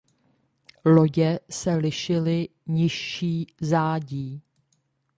Lodě se lišily nižší zádí.